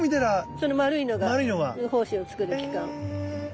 その丸いのが胞子を作る器官。